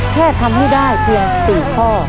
แค่ทำให้ได้เพียง๔ข้อ